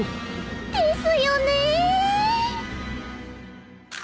ですよね。